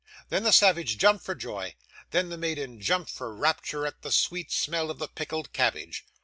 Then the savage jumped for joy; then the maiden jumped for rapture at the sweet smell of the pickled cabbage.